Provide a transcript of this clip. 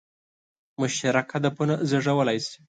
مشترک هدفونه زېږولای شي.